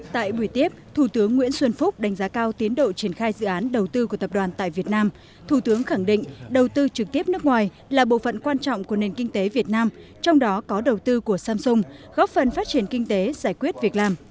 tại buổi tiếp thủ tướng nguyễn xuân phúc đánh giá cao tiến độ triển khai dự án đầu tư của tập đoàn tại việt nam thủ tướng khẳng định đầu tư trực tiếp nước ngoài là bộ phận quan trọng của nền kinh tế việt nam trong đó có đầu tư của samsung góp phần phát triển kinh tế giải quyết việc làm